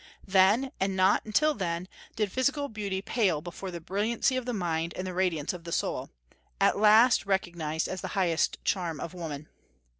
Then, and not till then, did physical beauty pale before the brilliancy of the mind and the radiance of the soul, at last recognized as the highest charm of woman.